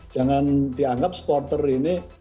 jangan dianggap supporter ini